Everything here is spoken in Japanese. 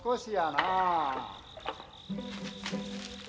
なあ。